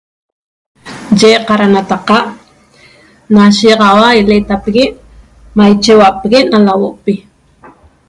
Yi qadanataqa' na shiýaxaua ileetapigui' maiche huapegue' na lahuo'pi